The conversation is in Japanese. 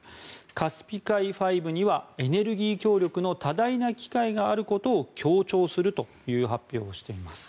カスピ海５にはエネルギー協力の多大な機会があることを強調するという発表をしています。